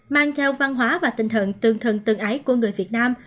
mang theo văn hóa và tinh thần tương thân tương ái của người việt nam